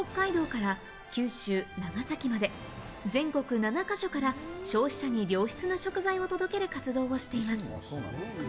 現在は、北は北海道から九州・長崎まで全国７か所から消費者に良質な食材を届ける活動をしています。